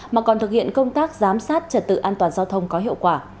mà còn thực hiện công tác giám sát trật tự an toàn giao thông có hiệu quả